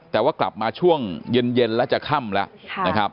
แต่ว่ากลับมาช่วงเย็นแล้วจะค่ำแล้วนะครับ